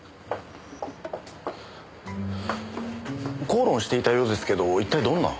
口論していたようですけど一体どんな？